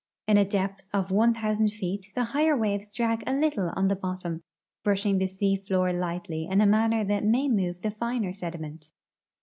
In a depth of one thousand feet the higher Avaves drag a little on the bottom, brushing the sea floor lightly in a manner that may move the finer sediment.